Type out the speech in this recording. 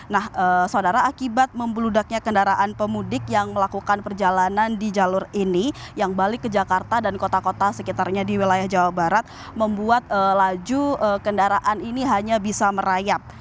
nah saudara akibat membeludaknya kendaraan pemudik yang melakukan perjalanan di jalur ini yang balik ke jakarta dan kota kota sekitarnya di wilayah jawa barat membuat laju kendaraan ini hanya bisa merayap